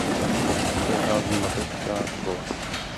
V obci se nachází mateřská škola.